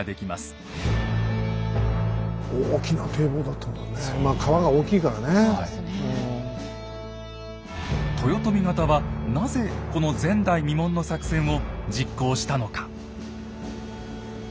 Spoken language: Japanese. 豊臣方はなぜこの前代未聞の作戦を実行したのか。